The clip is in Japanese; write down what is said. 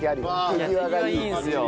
手際いいんすよ